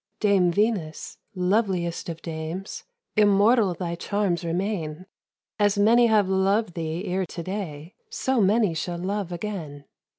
"Dame Venus, loveliest of dames, Immortal thy charms remain. As many have loved thee ere to day, So many shall love again.